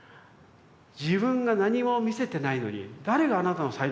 「自分が何も見せてないのに誰があなたの才能が分かるのよ。